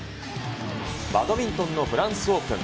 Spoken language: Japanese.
バドミントンのフランスオープン。